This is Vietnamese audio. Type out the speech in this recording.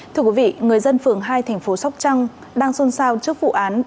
thưa quý vị người dân phường hai thành phố sóc trăng đang xôn xao trước vụ án